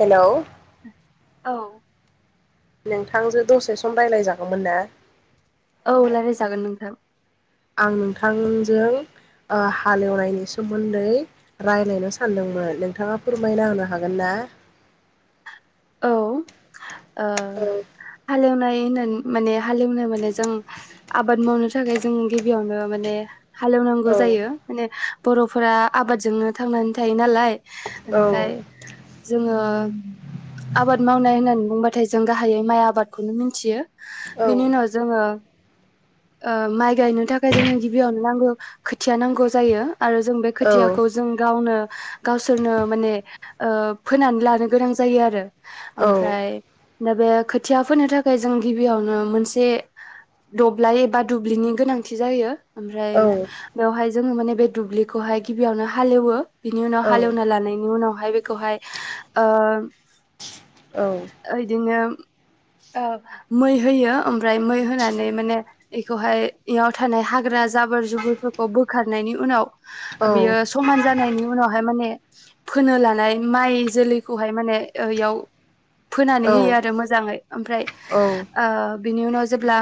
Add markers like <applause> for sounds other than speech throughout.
हेल'। औ। नोंथांजो दसे सम रायलायजागौमोन ना? औ रायलायजागोन नोंथां आं नोंथांजों ओ हालेवनायनि सोमोन्दै रायलायनो सानदोंमोन नोंथाङा फोरमायना होनो हागोन ना? औ। ओ औ हालेवनाय होननानै माने हालेवनो माने जों आबाद मावनो थाखाय जों गिबियावनो माने, हालेवनांगौ औ जायो माने, बर'फोरा आबादजोंनो थांनानै थायो नालाय, औ ओमफ्राय जु अ आबाद मावनाय होननानै बुंबाथाय जों गाहायै माइ आबादखौनो मिथियो। औ बिनि उनाव जोङो, ओ माइ गायनो थाखाय जोंनो गिबियावनो नांगौ खोथिया नांगौ जायो। आरो जों बे औ खोथियाखौ जों गावनो, गावसोरनो माने ओ फोनानै लानो गोनां जायो आरो औ ओमफ्राय दा बे खोथिया फोनो थाखाय जों गिबियावनो मोनसे दब्लाय एबा दुब्लिनि गोनांथि जायो। ओमफ्राय औ बेवहाय, जोंङो माने बे दुब्लिखौहाय गिबियावनो हालेवो। बिनि उनाव औ हालेवना लानायनि उनाव हाय बेखौहाय ओ औ बिदिनो मै होयो ओमफ्राय मै होनानै माने इखौहाय इयाव थानाय हाग्रा जाबोर जुबुरफोरखौ बोखारनायनि उनाव औ बेयो समान जानायनि उनावहाय माने फोनो लानाय माइ जोलैखौहाय माने ओ इयाव फोनानै औ होयो औ आरो मोजाङै। ओमफ्राय औ ओ बिनि उनाव जेब्ला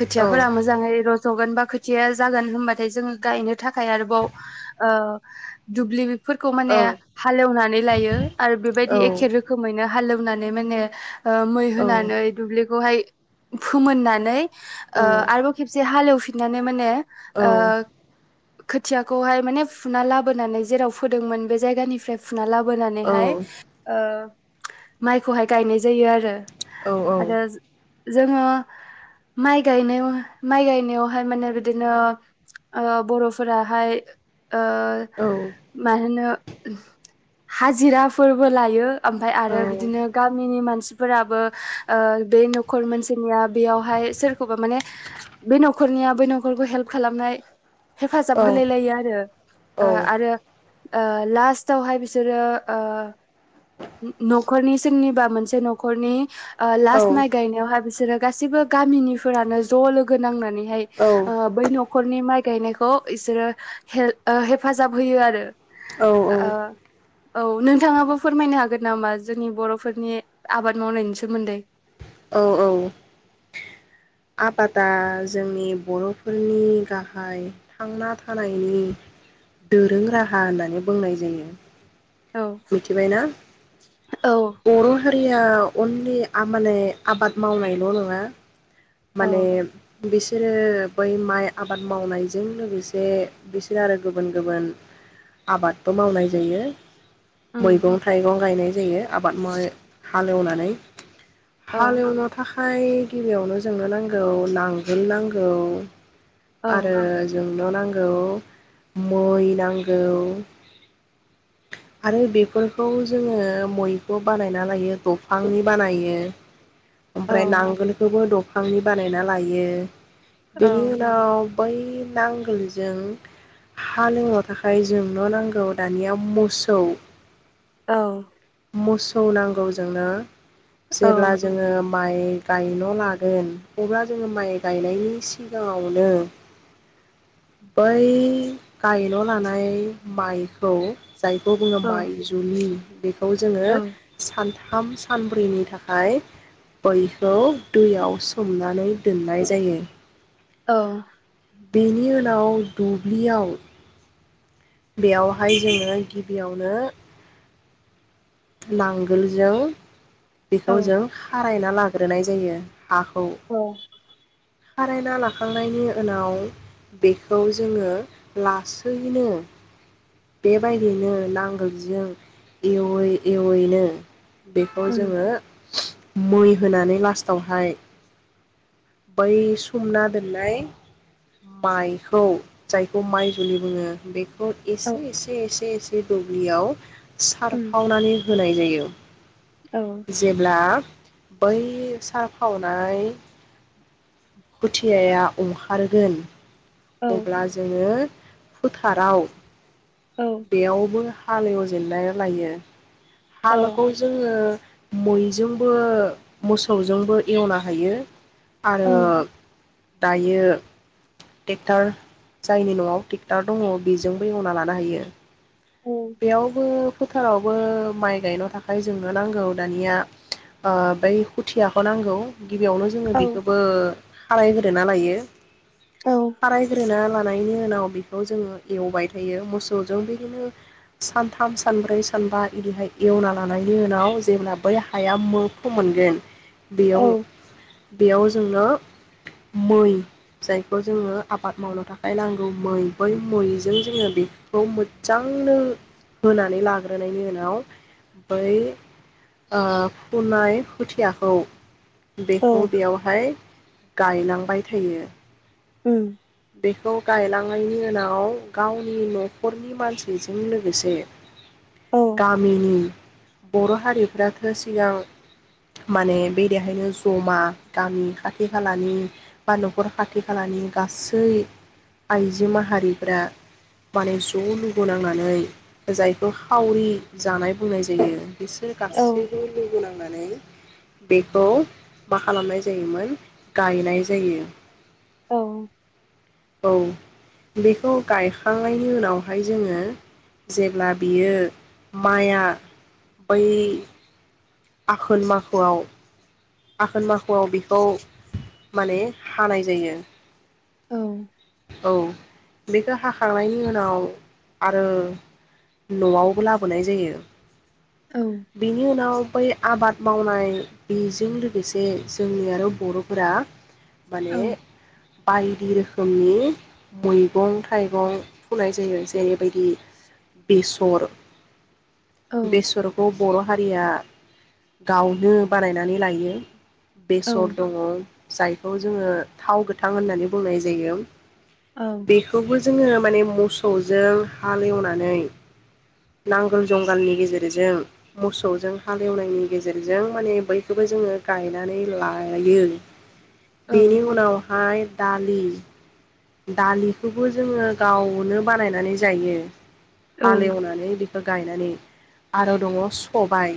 खोथियाफोरा मोजाङै रज र'जगोन बा खोथिया जागोन होनबाथाय जोङो गायनो थाखाय आरोबाव ओ दुब्लि फोरखौ माने हालेवनानै लायो आरो एखे रोखोमैनो हालौ नानै माने ओ मै होनानै दुब्लि बेहाय फोमोननानै ओ आरोबाव खेबसे हालेवफिननानै माने ओ खोथियाखौहाय माने फुना लाबोनानै जेराव फोदोंमोन बे जायगानिफ्राय फुना लाबोनानैहाय, ओ माइखौहाय गायनाय जायो आरो। औ औ जोंङो माइ गायनायाव माइ गायनायावहाय माने बिदिनो ओ बर'फोराहाय ओ माहोनो हाजिरा फोर फोरबो लायो। ओमफ्राय आरो बिदिनो गामिनि मान मानसिफोराबो ओ बे नखर मोनसिनिया बेयावहाय सोरखौबा माने बे नखरनियाबो नखरखौ हेल्प खालामनाय हेफाजाब होलाय लायो आरो ओ आरो ओ लास्टावहाय बिसोरो ओ नखरनि सोरनिबा मोनसे नखरनि ओ लास्ट माइ गायनायावहाय बिसोरो गासैबो गामिनिफोरानो ज लोगो नांनानैहाय ओ बै नखरनि माइ गायनायखौ बिसोरो हेल्प हेफाजाब होयो आरो औ नोंथाङाबो फोरमायनो हागोन नामा जोंनि बरफोरनि आबाद मावनायनि सोमोन्दै? औ औ। आबादा जोंनि बरफोरनि गाहाय थांना थानायनि दोरों राहा होननानै बुंनाय जायो। औ मिथिबायना? औ बर' हा रिया अनलि आ माने आबाद मावनायल' नङा औ माने बिसोरो बै माइ आबाद मावनायजों लोगोसे बिसोरो आरो गुबुन गुबुन आबादबो मावनाय जायो। उम मैगं थाइगं गायनाय जायो आबाद माव हालेवनानै औ हाल एवनो था फाय गिबियावनो जोंनो नांगौ नांगोल नांगौ औ आरो जोंल' नां औ मै नांगौ। आरो बेफोरखौ जोङो मै खौ बानायना लायो दफांनि बानायो। औ ओमफ्राय नांगोलखौबो दं फांनि बानायना लायो। औ बेनि उनाव बै नांगोलजों हालोवनो थाखाय जों न' नांगौ दानिया मुस सौ। औ। मोसौ नांगौ जोंनो। औ जेब्ला जोङो माइ गायन' लागोन अब्ला जोङो माइ गायनायनि सिगाङावनो बै गायन' लानाय माइखौ जाय खौ बुङो औ माइ जुुलि। <unintelligible> खौ जोङो सान थाम सानब्रैनि थाखाय बैखौ दैयाव सोमनानै दोननाय जायो। औ बेनि उनाव दुब्लियाव बेयावहाय जोङो गिबियावनो। नांगोलजों औ बेखौ जों रायना लाग्रोनाय जायो हाखौ खारायना लाखांनायनि उनाव बेखौ जोङो लासैनो बेबायदिनो नांगोलजों एवै एवैनो बेखौ उम जोङो। मै होनानै लास्टावहाय बै समना दोननाय माइखौ जायखौ माइ जुलि बुङो बेखौ ए औ एसे एसेसे बे दुब्लियाव उम सारफावनानै होनाय जायो। औ औ जेब्ला बै सारखावनाय खुथियाया अंखारगोन अब्ला जोङो फोथाराव औ बेयावबो हालेवजेनलाय लायो हालोखौ औ जोङो मैजोंबो मोसौजोंबो एवना हायो आरो औ दायो टेक्टार जायनि न'आव टेक्टार दङ बेजोंबो एवना ला नाहोयो औ बेयावबो फोथारावबो माइ गायनो थाखाय जोंनो नांगौ दानिया ओ बै खुथियाखौ नांगौ गिबियावनो जोङो औ बेखोबो खारायग्रोना लायो औ खारायग्रोना लाना नायनि उनाव बेखौ जोङो एवबाय थायो मोसौजों बिदिनो सानथाम सानब्रै सानबा इदिहाय एवना लानायनि उनाव जेब्ला बै हाया मो फोमोनगोन बेयाव औ बेयाव जोंनो मै जायखौ जोङो आबाद मावनो थाखाय नांगौ मै बै मैजों जोङो बेखौ मोजांनो होनानै लाग्रोनायनि उनाव बै ओ फुनाय खुथियाखौ औ बेखौ बेयावहाय गायलांबाय थायो। उ। बेखौ गायलांनायनि उनाव गावनि न'खरनि मानसिजों लोगोसे। औ गामिनि। बर' हारिफ्राथ' सिगां, माने बे देहायनो जमा गामि खाथि खालानि बा न'खर खाथि खालानि गास यै आइजो माहारिफ्रा, माने ज' लुगो नांनानै जायखौ खावरि जानाय बुंनाय जायो। बिसोर औ गासैबो लोगो नांनानै। बेखौ मा खालामनाय जायोमोन गायनाय जायो। औ। औ बेखौ गायखांनायनि उनावहाय जोङो जेब्ला बियो माइआ बै आघोन माखोआव। आखोन माखुआव बेखौ माने हानाय जायो। औ। औ। बेखो हाखांनायनि उनाव, आरो न'आवबो लाबोनाय जायो। औ बिनि उनाव बै आबाद मावनाय बेजों लोगोसे जोंनि आरो बर'फोरा माने औ बायदिरोखो रोखोमनि मैगं थाइगं फुनाय जायो जेरैबायदि बेसर औ बेसरखौ बर' फारिया गावनो बानायनानै लायो। बेसर दङ साइड बेखौ जोङो थाव गोथां होननानै बुंनाय जायो। जोम <unintelligible> बेखौबो जोङो। माने मोसौजों हालेवनानै, नांगोल जुंगालनि गेजेरजों, मोसौजों हालेवनायनि गेजेरजों, माने बैखौबो जोङो गायनानै लायो। बेनि उनावहाय। दालि दालिखौबो जोङो गावनो बानायनानै जायो। हालेवनानै बेखौ गायनानै। आरो दङ सबाय।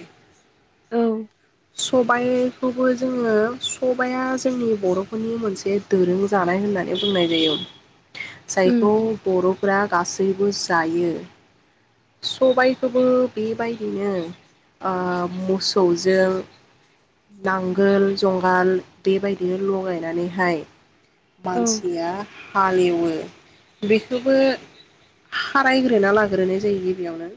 सबाइ खौबो जोङो सबाया जोंनि बर'फोरनि मोनसे दोरों जानाय होननानै बुंबाय जायो ओम। जायखौ बर'फ्रा गासैबो जायो सबायखोबो बेबायदिनो ओ मसौजों नांगोल जुंगाल बेबायदिनो लगायनानैहाय मानसिया हालेवो बेखोबो खारायग्रोना लाग्रोनाय जायो गिबियावनो।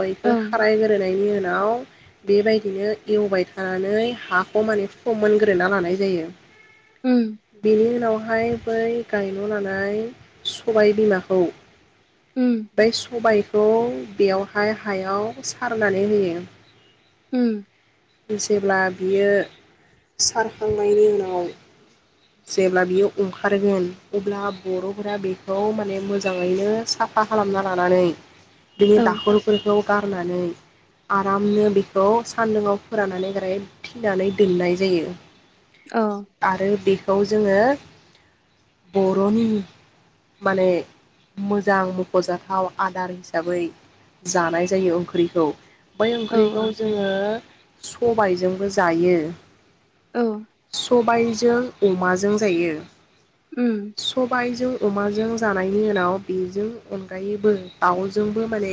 बैखो खाराय ग्रोनायनि उनाव नाव बेबायदिनो एवबाय थानानै हाखौ माने फोमोनग्रोना लानाय जायो। बिनि ओमफाय बै गायल'नानै सबाय बिमाखौ बै सबायखौ बेयावहाय हायाव सारनानै होयो। औ गेसेब्लाद बियो सारखांनायनि उनाव जेब्ला बियो अंखारगोन अब्ला बर'फोरा बेखौ माने मोजाङैनो साफा खालामना लानानै बिनि दाखलफोरखौ गारनानै आरामनो बेखौ सान्दुुंआव फोराननानै ग्रायेद थिनानै दोननाय जायो आरो बेद जोङो बर'नि माने मोजां मख'जाथाव आदार हिसाबै जानाय जायो ओंख्रिखौ बै ओंख्रिखौ जोङो सबायजोंबो जायो। सबाय जों अमाज जों जायो। सबाइजों अमाजों जानायनि उनाव बेजों अनगायैबो दाउजोंबो माने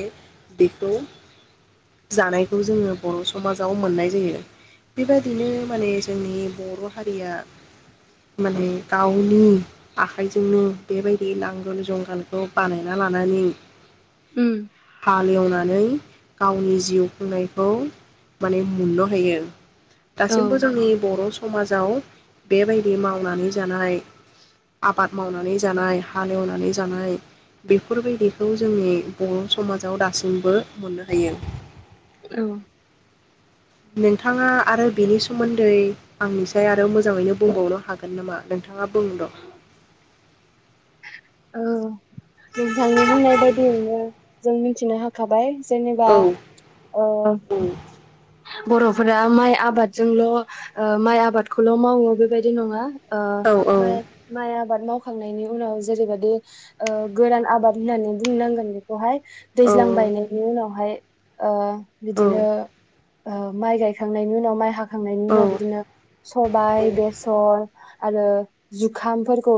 बेखौ जानायखौ जोङो बर' समाजाव मोननाय जायो बेबायदिनो माने जोंनि बर' हारिया माने गावनि आखाइजोंनो बेबायदि नांगोल जुंगालखौ बानायना लानानै हालेवनानै गावनि जिउ खुंनायखौ माने मुननो होयो। दासिमबो जोंनि बर' समाजाव बेबायद दि मावनानै जानाय आबाद मावनानै जानाय हालेवनानै जानाय बेफोरबायदिखौ जोंनि बर' समाजाव दासिमबो मोननो हायो। औ नोंथाङा आरो बेनि सोमोन्दै आंनिसाय आरो मोजाङैनो बुंबावनो हागोन नामा नोंथाङा बुं द' औ उम थांनि बुंनाय बायदियैनो जों मिथिनो हाखाबाय जेनेबा औ ओ औ बर'फोरा माइ आबादजोंल' ओ माइ आबादखौल' मावो बेबायदि नङा। ओ माय औ माय आबाद माव खांनायनि उनाव जेरैबाददि ओ गोरान आबाद होननानै बुंनांगोन बेखौहाय औ दैज्लां बायनायनि उनावहाय ओ औ बिदिनो ओ माइ गायखांनायनि उनाव माइ हाख खांनायनि औ उनाव बिदिनो औ सबाइ बेसर आरो जुखामफोरखौ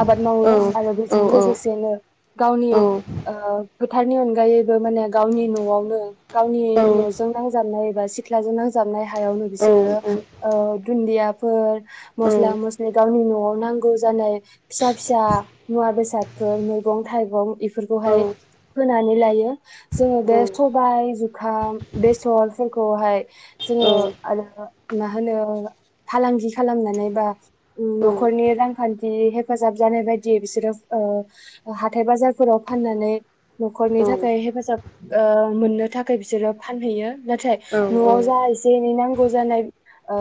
आबाद मावो आरो औ बेजों लोगो सेनो गावनि ओ फोथारनि अनगायैबो माने गावनि न'आवनो गावनि न'जों नां जाबनाय बा सिथ्लाजों नांजाबनाय हायावनो बिसोरो दुन्दियाफोर मस्ला मसलि गावनि नआव नांगौ जानाय फिसा फिसा मुवा बेसादफोर मैगं थाइगं इ फोरखौहाय फो नानै लायो जोङो बे सबाय जुखाम बे सर फोरखौहाय जोङो औ आरो मा होनो फालांगि खालामनानै बा औ औ न'खरनि रांखान्थि हेफाजाब जानाय बायदियै बिसोरो ओ हाथाय बाजारफोराव फाननानै न'खरनि थाखाय हेफाजाब ओ मोननो थाखाय बिसोरो फानहैयो। नाथाय न'आव जा एसे एनै नां ग' जानाय ओ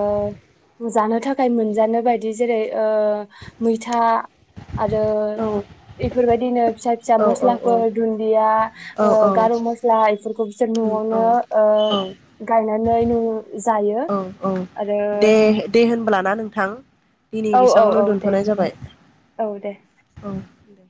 जानो थाखाय मोनजानो बायदि जेरै मैथा आरो बेफोरबादिनो फिसा फिसा मस्लाफोर दुन्दिया ओ गार' मस्ला इफोरखौ बिसोर न'आवनो ओ गायनाय नैनो औ औ दे दे होनब्ला ना नोंथां दिनै औ औ औ बेसेबावनो दे दोनथ'नाय जाबाय। औ दे। <unintelligible>